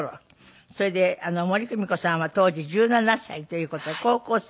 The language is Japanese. それで森公美子さんは当時１７歳という事は高校生で。